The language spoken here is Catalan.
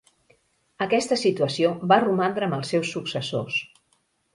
Aquesta situació va romandre amb els seus successors.